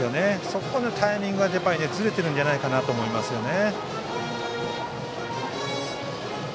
それでタイミングがずれているんじゃないかなと思いますよね。